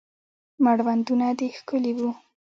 مړوندونه دې ښکلي وه